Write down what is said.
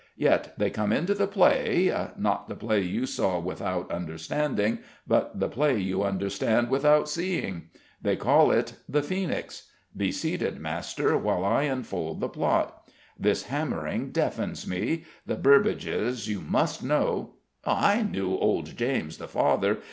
Yet they come into the play not the play you saw without understanding, but the play you understood without seeing. They call it The Phoenix. Be seated, master, while I unfold the plot: this hammering deafens me. The Burbages, you must know " "I knew old James, the father.